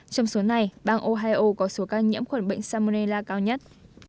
trong số này bang ohio có số ca nhiễm khuẩn bệnh salmonella cao nhất